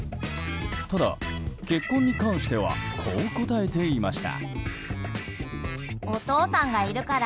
ただ、結婚に関してはこう答えていました。